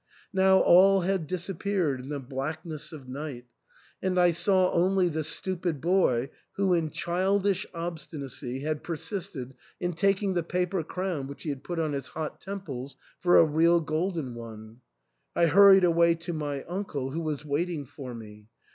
Now all had disappeared in the blackness of night ; and I saw only the stupid boy who in childish obstinacy had persisted in taking the paper crown which he had put on his hot temples for a real golden one. I hurried away to my uncle, who was waiting for me.